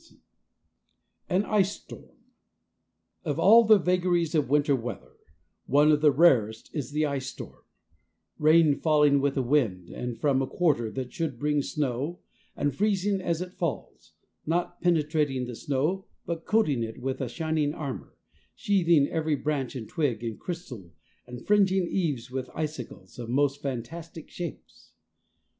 LV AN ICE STORM Of all the vagaries of winter weather, one of the rarest is the ice storm; rain falling with a wind and from a quarter that should bring snow, and freezing as it falls, not penetrating the snow but coating it with a shining armor, sheathing every branch and twig in crystal and fringing eaves with icicles of most fantastic shapes.